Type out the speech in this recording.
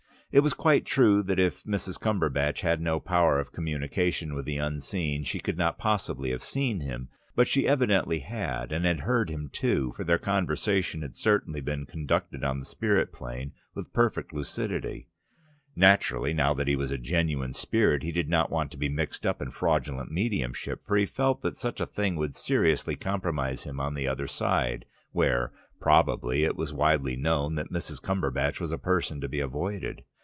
It was quite true that if Mrs. Cumberbatch had no power of communication with the unseen she could not possibly have seen him. But she evidently had, and had heard him too, for their conversation had certainly been conducted on the spirit plane, with perfect lucidity. Naturally, now that he was a genuine spirit, he did not want to be mixed up in fraudulent mediumship, for he felt that such a thing would seriously compromise him on the other side, where, probably, it was widely known that Mrs. Cumberbatch was a person to be avoided.